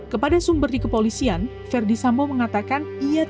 kepada sumber di kepolisian verdi sambong mengatakan ia tidak menembak brigadir yosua